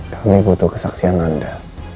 kami butuh kesaksian anda